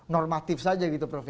normatif saja gitu prof